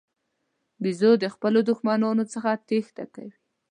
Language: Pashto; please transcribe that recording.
بیزو د خپلو دښمنانو څخه تېښته کوي.